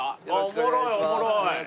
おもろいおもろい。